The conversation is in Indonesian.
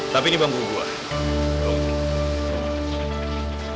tapi ini bangku gue